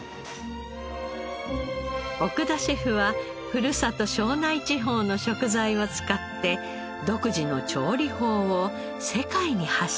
奥田シェフはふるさと庄内地方の食材を使って独自の調理法を世界に発信。